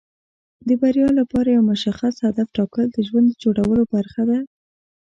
د بریا لپاره یو مشخص هدف ټاکل د ژوند د جوړولو برخه ده.